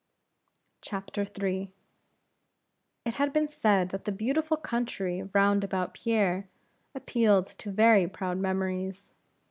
III. It has been said that the beautiful country round about Pierre appealed to very proud memories.